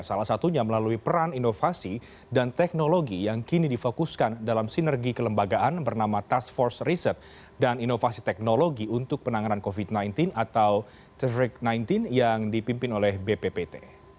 salah satunya melalui peran inovasi dan teknologi yang kini difokuskan dalam sinergi kelembagaan bernama task force research dan inovasi teknologi untuk penanganan covid sembilan belas atau tiga sembilan belas yang dipimpin oleh bppt